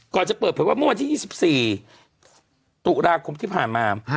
ก่อนจะเปิดเผยวันมั่ววันที่๒๔ตุราคมที่ผ่านมา